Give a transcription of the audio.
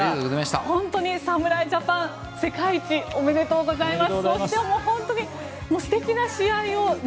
本当に侍ジャパン、世界一おめでとうございます。